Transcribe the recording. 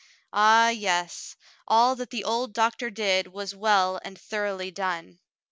Ah, yes, all that the old doctor did was well and thoroughly done.